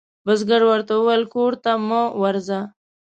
بزګر ورته وویل کور ته مه ورځه.